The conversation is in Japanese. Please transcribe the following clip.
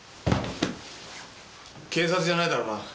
警察じゃないだろうな？